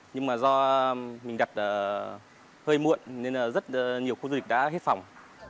nhưng mà do mình đặt hơi muộn nên là rất nhiều khu du lịch đã hết phòng